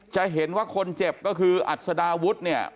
จะเห็นว่าคนเจ็บก็คืออัศดาวุฒิเนี่ย